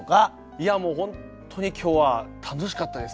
いやもう本当に今日は楽しかったです。